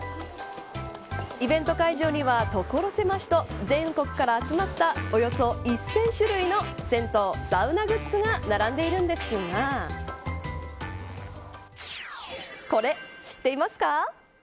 イベント会場には所狭しと全国から集まったおよそ１０００種類の銭湯・サウナグッズが並んでいるんですがこれ、知っていますか。